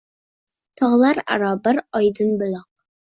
Tog’lar aro bir oydin buloq